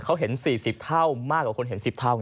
เขาเห็น๔๐เท่ามากกว่าคนเห็น๑๐เท่าไ